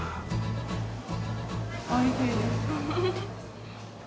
おいしいです。